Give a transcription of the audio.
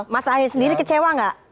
mas ahie sendiri kecewa gak